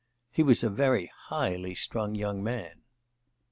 He was a very highly strung young man.